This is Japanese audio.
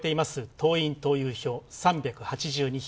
党員・党友票３８２票。